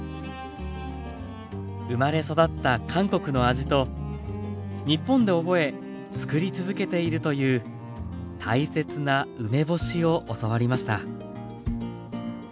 生まれ育った韓国の味と日本で覚えつくり続けているという大切な梅干しを教わりました。